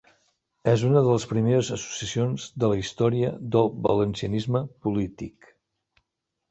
És una de les primeres associacions de la història del valencianisme polític.